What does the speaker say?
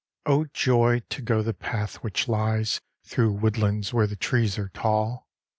Oh, joy, to go the path which lies Through woodlands where the trees are tall!